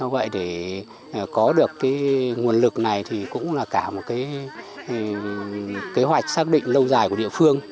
vậy để có được cái nguồn lực này thì cũng là cả một cái kế hoạch xác định lâu dài của địa phương